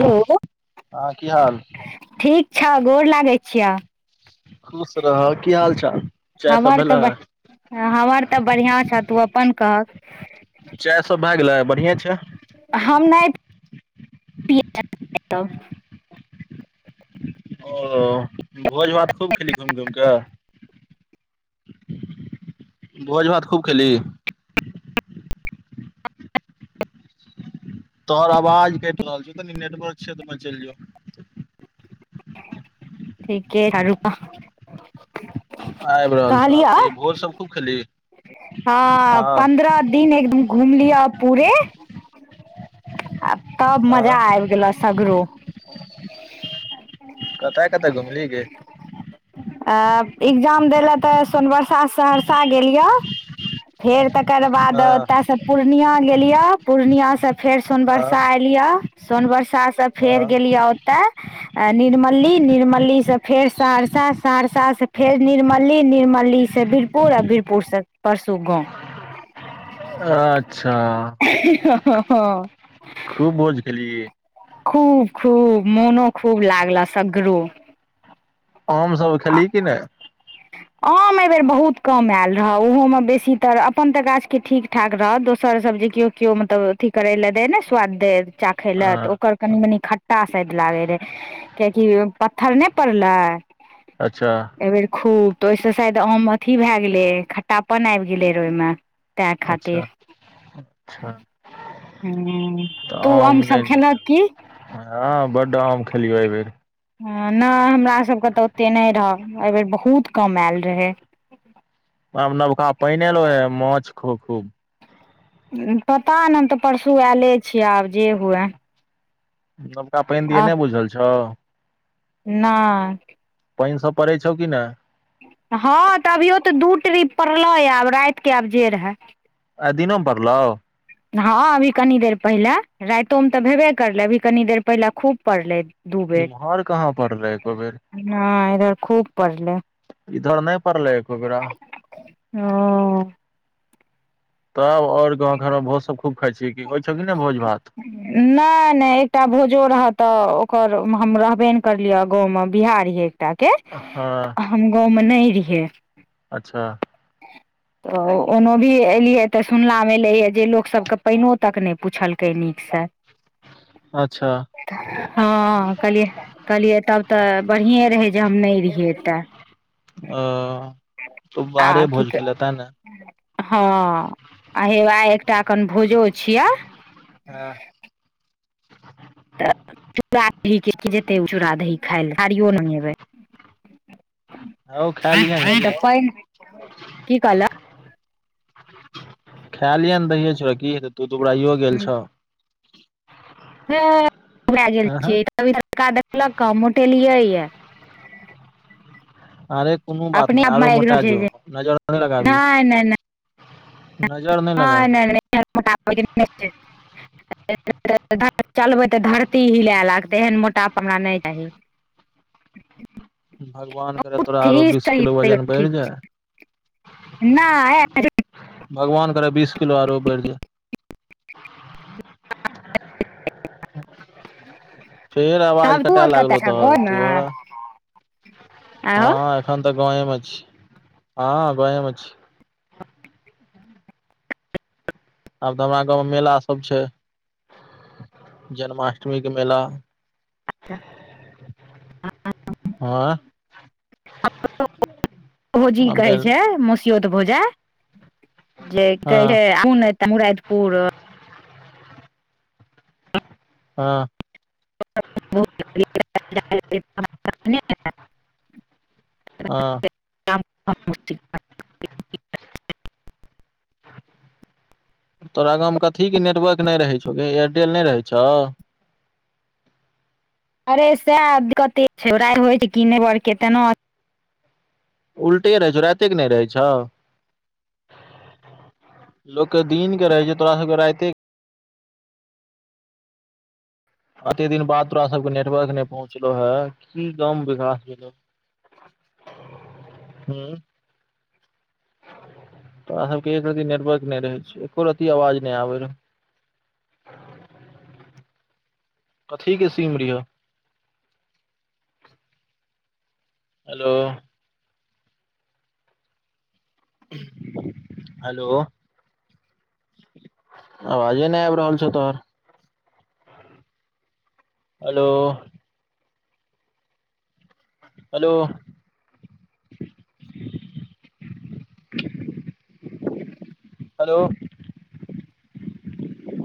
ह हेलो हँ की हाल ठीक छ गोर लागै छियह खुश रह की हाल चाल चाय सब हमर तऽ भेलै बढ़ हमर तऽ बढ़िआँ छ तू अपन कहक चाय सब भए गेलै बढ़िआ छै हम नहि [unintelligible] ओ भोज भात खूब खेली घुमि घुम कऽ भोज भात खूब खेली तोहर आवाज कटि रहल छौ तनी नेटवर्क क्षेत्र मे चलि जो ठीके है रुपा आबि रहल छौ आब कहलियौ कह भोज सब खूब खेलीहि हँ पन्द्रह दिन एकदम घुमलियअ पूरे आ तब हँ मजा आयब गेल सगरो कतय कतय घुमली गे अ एग्जाम दै ल तऽ सोनबरसा सहरसा गेलियै फेर त ओकर बाद हँ ओतय से पूर्णिया गेलियौ पूर्णिया से फेर हँ सोनबरसा एलियै सोन वरसा से फेर हँ गेलियै ओतय निरमली निर्मलीसँ फेर सहरसा सहरसासँ फेर निरमली निर्मलीसँ पूरा बीरपुरसँ परसू गाँव अच्छा हँ ह ह खूब बोझ खेलियै खूब खूब मोनो खूब लागल सगरो आमसभ खेली कि नहि आम एहिबेर बहुत कम आयल रहो ओहोमे बेसीतर अपन तऽ गाछके ठीक ठाक रहो दोसरसभ जे किओ केओ मतलब अथी करे लए देह ने स्वाद दे चाखै लए तऽ हँ ओकर कनि मनी खट्टा साइड लागे रहै कियकि पत्थर नहि पड़लै अच्छा एहिबेर खूब तऽ ओहिसँ शायद आम अथी भए गेलै खट्टापन आबि गेलै रहऽ ओहिमे ताहि अच्छा खातिर अच्छा तऽ हू उ आम नहि सब नीक खेलक की हँ बड आम खेलियौ एहिबेर नहि हमरा सभके तऽ ओतेक नहि रहय एहिबेर बहुत कम आयल रहै आ नबका पाइन एलौ है माछ ख खूब पता न हम तऽ परसू आयले छियै आब जे हुए नवका पानि दियअ आ नहि बुझल छौ नहि पानि सब पड़ै छौ कि नहि हँ तऽ अभियो तऽ दू ट्रीप पड़लै य आब रातिके आब जे रहै आइ दिनो परलौ हँ अभी कनि देर पहिले रातोमे तऽ भेबे करलै अभी कनि देर पहिले खूब परलै ए दुबेर इम्हर कहाँ पड़लै एको बेर न इधर खूब पड़ले इधर नहि पड़लै एकोबेरा ह तब आओर गाँव घरमे भोज सब खूब खाइ छी कि होइ छौ कि ने भोज भात नहि नहि एकटा भोजो रह तऽ ओकर हम रहबे ने करलियै गाँवमे बिहार ये टा के हँ हम गाँवमे नहि रहियै अच्छा तऽ ओनो भी एलियै तऽ सुनलामेलैए जे लोकसभकेँ पाइनो इतक नहि पुछलकै नीकसँ अच्छा हँ कहलियै कहलियै तब तऽ बढ़िए रहै जे हम नहि रहियैतऽ ओ तऽ आ बाहरे की भोज कह खेले ते ने हँ आ हे वएह एकटा कन भोजो छियै ह [inaudible] तऽ चूरा दही जेतै ओ चूड़ा दही खाइ लए थाड़ियो मगेबै हौ खा लिहन की हेतौ, की कहल खाय लि ने दहिये चुरा की हेत तू दऽ बराइयो गेल छौ ह भए गेल हँ हँ छियै तड़का देखलक क हम मोटेलियै यऽ अरे कोनो बात अपने नहि आप मे आरो आबि रहल मोटा छै जो जे नजर नहि लगाबी नजर नहि नहि लगाबी नहि [inaudible] [inaudible] लए लागतै एहन मोटाप हमरा नहि चाही भगवान करय तोरा उठि आरो बीस सही किलो वजन बढ़ि जाय नेय [unintelligible] भगवान करे बीस किलो आरो बढ़ि जाय फेर आवाज तब तू कटाय कतऽ लागलो छ तोहर गाँव मे तोहर आहो हँ एखन तऽ गाँवेमे छी हँ गाँवम अ छी आब तऽ हमरा गाँव मे मेला सब छै जन्माष्टमी के मेला हँ भौजी कहै मेल छै मस त भौजा जे हँ कहे खो नहि तो मुरापुर हँ [inaudible] हँ तोरा गाँंव मे कथी के नेटवर्क नहि रहे छौ एयरटेल नहि रहे छौ अरे सएह कते छैड़ होइ छै किने बरके तेना उलटे रहै छौ रााते क नहि रहै छौ लोक के दिन के रहै छै तोरा सबके राइते एते दिन बाद तोरा सबके नेटवर्क नहि पहुँचलो हे की गाँव मे विकास भेलो हू तोरा सबके एक रतीननेटवर्क नहि रहे छै एको रति आवाज नहि आबे रह कथी के सीम रीय हेलो हेलो आवाजे नहि आबि रहल छौ तोहर हेलो हेलो हेलो